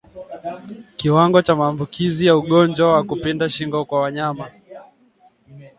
Kiwango cha maambukizi ya ugonjwa wa kupinda shingo kwa wanyama